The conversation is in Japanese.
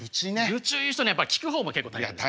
愚痴を言う人ねやっぱ聞く方も結構大変ですから。